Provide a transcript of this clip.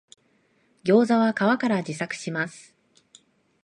ギョウザは皮から自作します